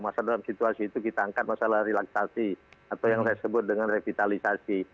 masa dalam situasi itu kita angkat masalah relaksasi atau yang saya sebut dengan revitalisasi